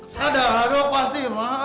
sadar dok pasti mah